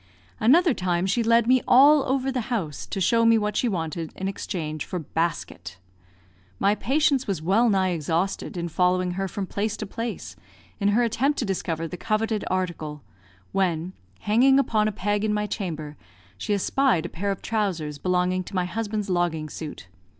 Another time she led me all over the house, to show me what she wanted in exchange for basket. My patience was well nigh exhausted in following her from place to place, in her attempt to discover the coveted article, when, hanging upon a peg in my chamber, she espied a pair of trousers belonging to my husband's logging suit.